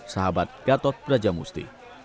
sahabat gatot brajamusti